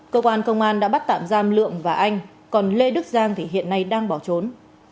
cơ quan công an đã bắt tạm giam lượng và anh còn lê đức giang thì hiện nay đang bỏ trốn